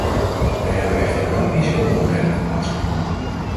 Er hebben echter wel risicobeoordelingen plaatsgevonden.